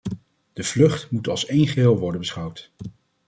De vlucht moet als één geheel worden beschouwd.